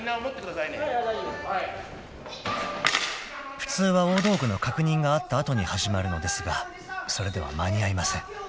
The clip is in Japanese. ［普通は大道具の確認があった後に始まるのですがそれでは間に合いません］